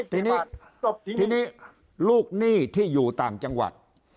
ทีนี้ลูกนี้ที่อยู่ต่างจังหวัด